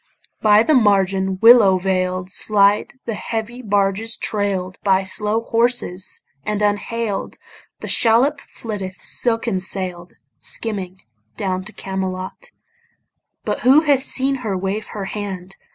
By the margin, willow veil'd, Slide the heavy barges trail'd By slow horses; and unhail'd The shallop flitteth silken sail'd Skimming down to Camelot: But who hath seen her wave her hand?